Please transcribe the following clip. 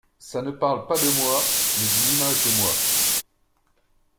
Ça ne parle pas de moi, mais d’une image de moi.